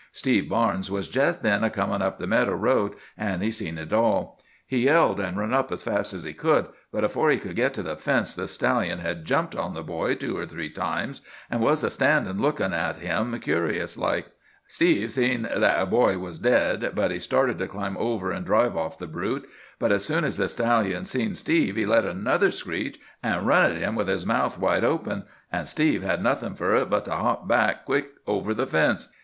Steve Barnes was jest then a comin' up the meadow road, an' he seen it all. He yelled, an' run up as fast as he could; but afore he could git to the fence the stallion had jumped on the boy two or three times, an' was a standin' lookin' at him curious like. Steve seen 'at the boy was dead, but he started to climb over an' drive off the brute; but as soon as the stallion seen Steve he let another screech, an' run at him with his mouth wide open, an' Steve had nothin' fur it but to hop back quick over the fence.